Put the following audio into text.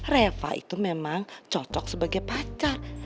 reva itu memang cocok sebagai pacar